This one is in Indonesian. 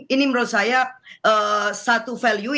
ini menurut saya satu value